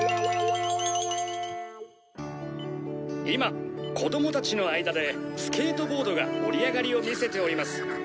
「今子供たちの間でスケートボードが盛り上がりを見せております」